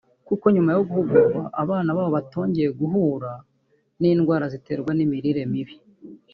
kuko nyuma yo guhugurwa abana babo batongeye guhura n’indwara ziterwa n’imirire mibi